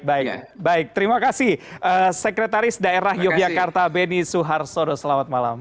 baik baik terima kasih sekretaris daerah yogyakarta beni suharto selamat malam